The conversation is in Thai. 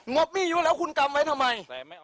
บหนี้อยู่แล้วคุณกำไว้ทำไม